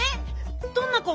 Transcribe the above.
どんな子？